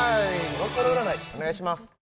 コロコロ占いお願いします